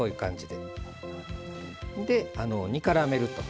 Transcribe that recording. で煮からめると。